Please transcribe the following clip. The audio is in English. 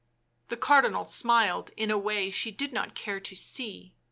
The Cardinal smiled in a way she did not care to see.